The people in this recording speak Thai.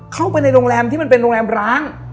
เข้าไปในโรงแรมที่มันเป็นโรงแรมร้าง